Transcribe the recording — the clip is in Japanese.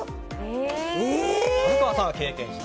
虻川さんは経験者。